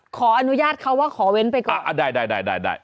ขออนุญาตเขาว่าขอเว้นไปก่อนอ่าได้ได้ได้ได้ได้